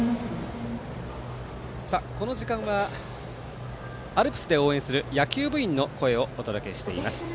この時間はアルプスで応援する野球部員の声をお届けしています。